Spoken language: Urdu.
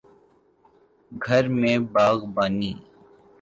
گھر میں باغبانی